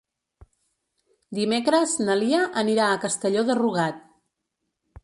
Dimecres na Lia anirà a Castelló de Rugat.